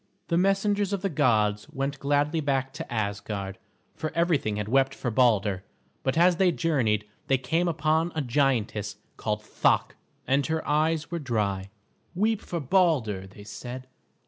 The messengers of the gods went gladly back to Asgard, for everything had wept for Balder; but as they journeyed they came upon a giantess, called Thok, and her eyes were dry. "Weep for Balder," they said.